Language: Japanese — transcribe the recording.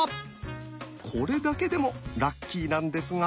これだけでもラッキーなんですが。